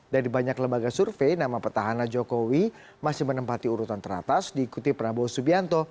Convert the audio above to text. dari banyak lembaga survei nama petahana jokowi masih menempati urutan teratas diikuti prabowo subianto